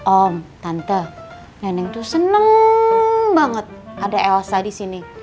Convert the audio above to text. om tante neneng tuh seneng banget ada elsa di sini